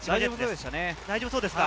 大丈夫そうですね。